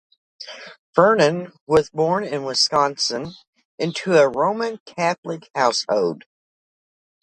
Fernow was born in Wisconsin into a Roman Catholic household.